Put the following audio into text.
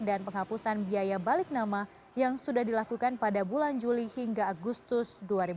dan penghapusan biaya balik nama yang sudah dilakukan pada bulan juli hingga agustus dua ribu dua puluh dua